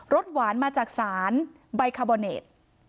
สหวานมาจากสารใบคาร์บอเนต